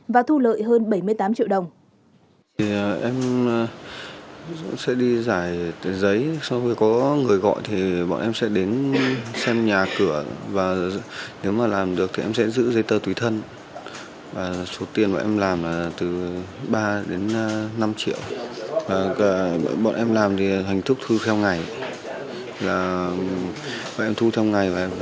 và thu lợi hơn bảy mươi tám triệu đồng